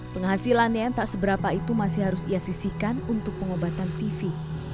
penghasilannya tak seberapa itu masih harus ia sisikan untuk pengobatan vivi